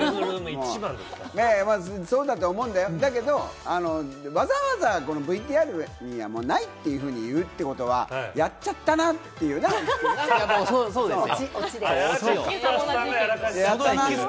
そうだと思うんだよ、だけど、わざわざＶＴＲにはないというふうに言うってことはそうなんですよ、そうなんですよ。